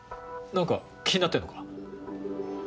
何か気になってんのか？